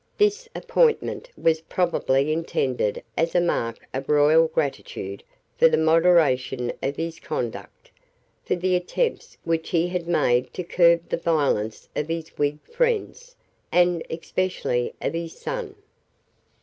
This appointment was probably intended as a mark of royal gratitude for the moderation of his conduct, and for the attempts which he had made to curb the violence of his Whig friends, and especially of his son.